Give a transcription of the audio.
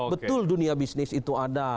betul dunia bisnis itu ada